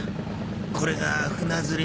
これが船釣り。